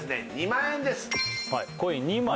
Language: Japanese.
２万円です